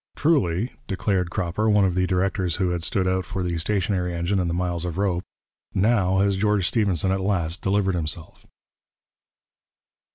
'Truly,' declared Cropper, one of the directors who had stood out for the stationary engine and the miles of rope, 'now has George Stephenson at last delivered himself.'